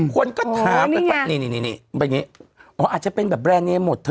คนก็ถามนี่โอ้อาจจะเป็นแบบแบรนด์นี้หมดเถอะ